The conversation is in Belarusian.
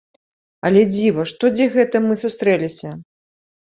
Але дзіва, што дзе гэта мы сустрэліся?